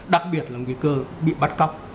đặc biệt là nguy cơ bị bắt cóc